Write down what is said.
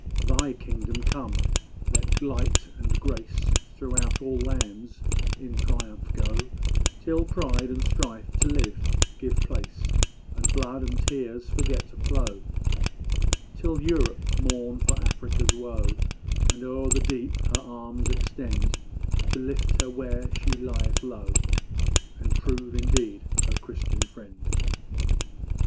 Thy kingdom come! Let Light and Grace Throughout all lands in triumph go; Till pride and strife to love give place, And blood and tears forget to flow; Till Europe mourn for Afric's woe, And o'er the deep her arms extend To lift her where she lieth low, And prove indeed her Christian Friend!